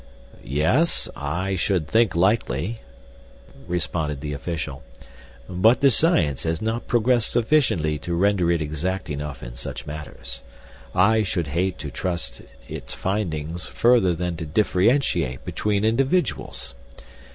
"Yes, I should think likely," responded the official; "but the science has not progressed sufficiently to render it exact enough in such matters. I should hate to trust its findings further than to differentiate between individuals.